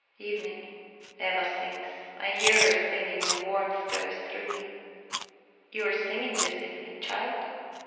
Evening. Eva sings, I hear her singing, and a warmth goes through me. "You are singing this evening, child?"